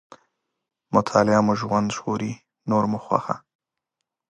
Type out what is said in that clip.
مطالعه مو ژوند ژغوري، نور مو خوښه.